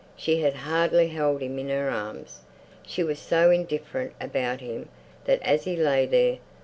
She had hardly held him in her arms. She was so indifferent about him that as he lay there...